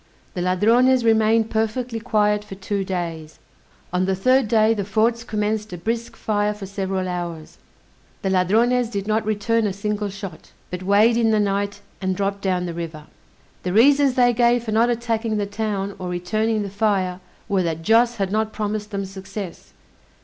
The Ladrones remained perfectly quiet for two days. On the third day the forts commenced a brisk fire for several hours: the Ladrones did not return a single shot, but weighed in the night and dropped down the river. The reasons they gave for not attacking the town, or returning the fire, were that Joss had not promised them success.